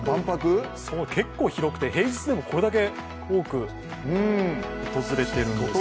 結構広くて平日でもこれだけ多く訪れています。